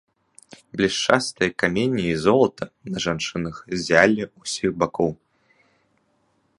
Блішчастыя каменні і золата на жанчынах ззялі з ўсіх бакоў.